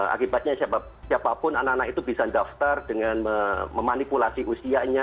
akibatnya siapapun anak anak itu bisa daftar dengan memanipulasi usianya